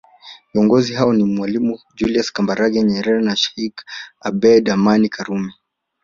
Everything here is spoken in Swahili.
Viongozi hao ni mwalimu Julius Kambarage Nyerere na Sheikh Abed Amani Karume